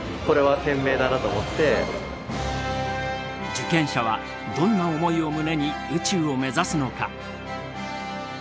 受験者はどんな思いを胸に宇宙を目指すのか？